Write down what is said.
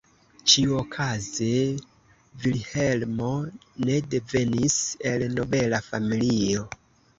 Ĉiuokaze Vilhelmo ne devenis el nobela familio.